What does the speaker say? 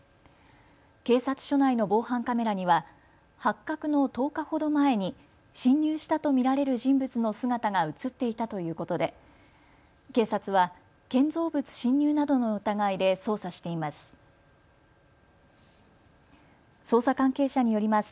警察署内の防犯カメラには発覚の１０日ほど前に侵入したと見られる人物の姿が写っていたということで警察は建造物侵入などの疑いで捜査しています。